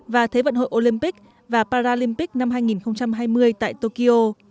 và thế vận hội olympic và paralympic năm hai nghìn hai mươi tại tokyo